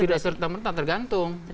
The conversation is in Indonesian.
tidak serta merta tergantung